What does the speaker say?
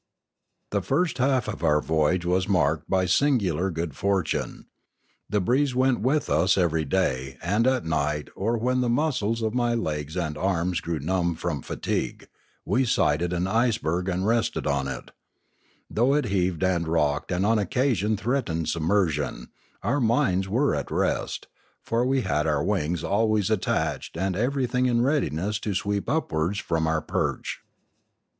The first half of our voyage was marked by singular good fortune. The breeze went with us every day, and at night, or when the muscles of my legs and arms grew numb from fatigue, we sighted an iceberg and rested on it; though it heaved and rocked and on occasion threatened submersion, our minds were at rest, for we had our wings always attached and everything in readiness to sweep upwards from our perch.